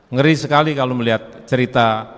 ngeri sekali kalau melihat cerita